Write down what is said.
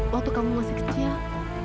waktu kamu masih kecil